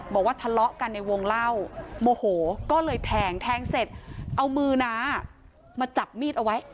บอกว่าทะเลาะกันในวงเล่าโมโหก็เลยแทงแทงเสร็จเอามือน้ามาจับมีดเอาไว้